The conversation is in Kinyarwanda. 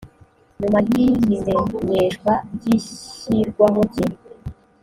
nyuma y iy imenyeshwa ry ishyirwaho rye